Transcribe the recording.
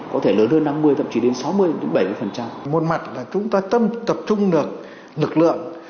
một mặt là chúng ta tâm tập trung được lực lượng